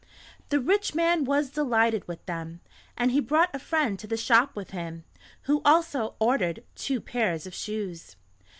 The rich man was delighted with them, and he brought a friend to the shop with him, who also ordered two pairs of shoes.